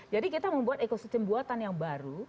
jadi kita membuat ekosistem buatan yang baru